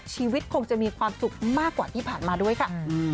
ชีวิตคงจะมีความสุขมากกว่าที่ผ่านมาด้วยค่ะ